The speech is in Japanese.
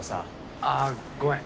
あっごめん。